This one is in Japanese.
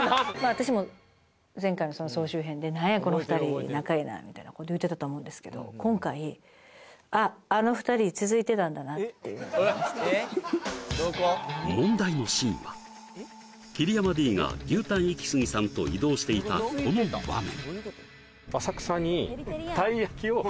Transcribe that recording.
私も前回のその総集編で何やこの２人仲ええなみたいな言うてたと思うんですけど今回あっあの２人続いてたんだなっていうのがありまして問題のシーンは桐山Ｄが牛タンイキスギさんと移動していたこの場面